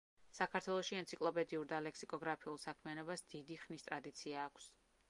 საქართველოში ენციკლოპედიურ და ლექსიკოგრაფიულ საქმიანობას დიდი ხნის ტრადიცია აქვს.